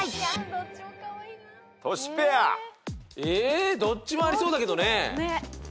えどっちもありそうだけどね。